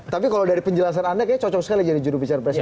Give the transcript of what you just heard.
tapi kalau dari penjelasan anda kayaknya cocok sekali jadi jurubicara presiden